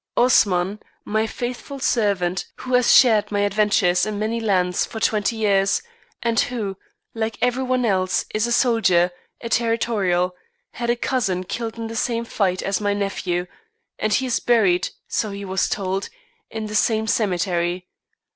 Osman, my faithful servant, who has shared my adventures in many lands for twenty years, and who, like everyone else, is a soldier, a territorial, had a cousin killed in the same fight as my nephew, and he is buried, so he was told, in the same cemetery.